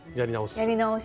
やり直し。